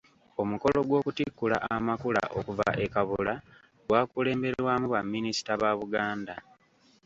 Omukolo gw'okutikkula amakula okuva e Kabula gwakulemberwamu baminisita ba Buganda.